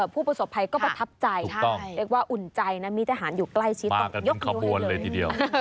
ผู้ประสบภัยก็ประทับใจเรียกว่าอุ่นใจนะมีทหารอยู่ใกล้ชี้ตรงยกนิ้วให้เลย